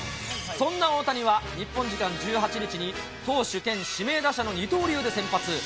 そんな大谷は、日本時間１８日に、投手兼指名打者の二刀流で先発。